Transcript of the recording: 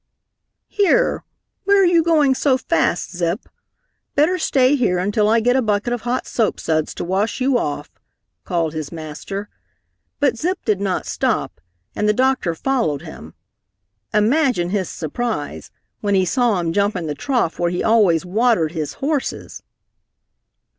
"Here, where are you going so fast, Zip? Better stay here until I get a bucket of hot soapsuds to wash you off," called his master, but Zip did not stop, and the doctor followed him. Imagine his surprise when he saw him jump in the trough where he always watered his horses!